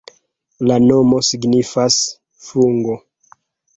La nomo signifas: fungo.